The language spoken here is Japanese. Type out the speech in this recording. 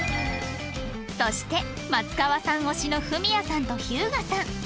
そして松川さん推しの文哉さんと日向さん